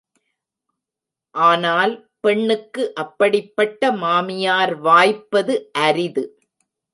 ஆனால் பெண்ணுக்கு அப்படிப் பட்ட மாமியார் வாய்ப்பது அரிது.